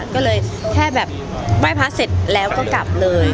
ก็เลยแค่แบบไหว้พระเสร็จแล้วก็กลับเลย